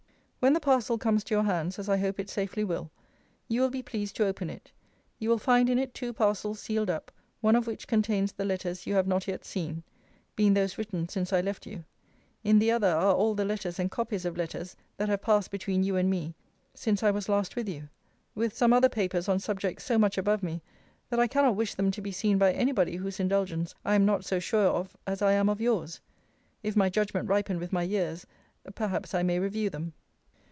When the parcel comes to your hands, as I hope it safely will, you will be pleased to open it. You will find in it two parcels sealed up; one of which contains the letters you have not yet seen; being those written since I left you: in the other are all the letters and copies of letters that have passed between you and me since I was last with you; with some other papers on subjects so much above me, that I cannot wish them to be seen by any body whose indulgence I am not so sure of, as I am of yours. If my judgment ripen with my years, perhaps I may review them.